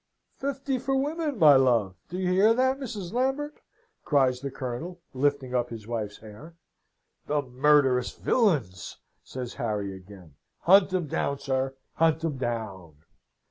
"Fifty for women, my love! Do you hear that, Mrs. Lambert?" cries the Colonel, lifting up his wife's hair. "The murderous villains!" says Harry, again. "Hunt 'em down, sir! Hunt 'em down!"